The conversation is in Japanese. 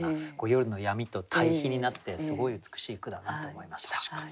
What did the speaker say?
夜の闇と対比になってすごい美しい句だなと思いました。